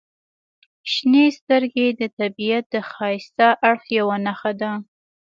• شنې سترګې د طبیعت د ښایسته اړخ یوه نښه ده.